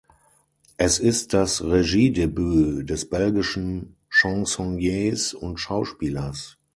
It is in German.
Es ist das Regiedebüt des belgischen Chansonniers und Schauspielers.